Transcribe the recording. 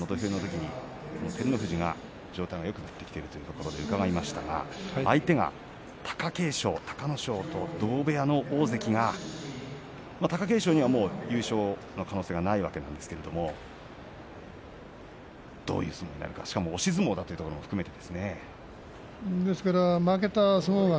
北の富士さんからは土俵入りのときに照ノ富士が状態がよくなっているということを伺いましたが相手は貴景勝隆の勝と同部屋の大関が貴景勝には優勝の可能性はないわけなんですけれどもどういう相撲になるか、しかも押し相撲だということも含めて。